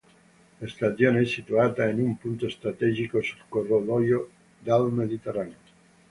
La stazione è situata in un punto strategico sul corridoio del Mediterraneo.